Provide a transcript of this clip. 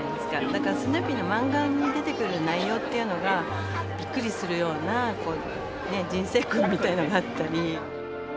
だからスヌーピーのマンガに出てくる内容っていうのがびっくりするようなこうね人生訓みたいなのがあったり。